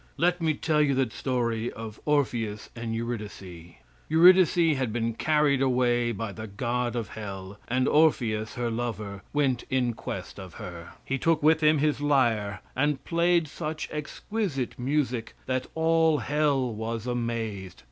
Let me tell you the story of Orpheus and Eurydice. Eurydice had been carried away by the god of hell, and Orpheus, her lover, went in quest of her. He took with him his lyre, and played such exquisite music that all hell was amazed.